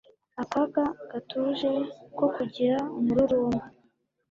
Akaga Gatuje ko Kugira Umururumba